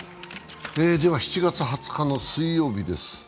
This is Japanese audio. では７月２０日の水曜日です。